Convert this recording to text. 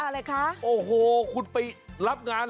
และคุณสุภาษณ์ส